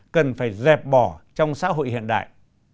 cần phải dẹp bỏ trong xã hội hiện đại